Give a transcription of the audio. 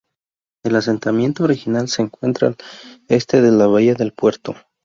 El asentamiento original se encuentra al este de la bahía del puerto.